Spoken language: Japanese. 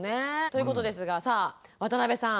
ということですがさあ渡邊さん